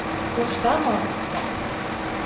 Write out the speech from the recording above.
Коршта мо?